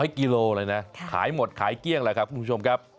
กิโลเลยนะขายหมดขายเกลี้ยงแหละครับคุณผู้ชมครับ